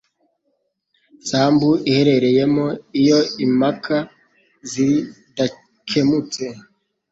sambu iherereyemo Iyo impaka zidakemutse